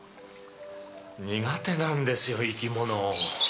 苦手なんですよ生き物。